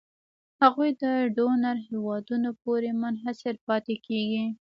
هغوی د ډونر هېوادونو پورې منحصر پاتې کیږي.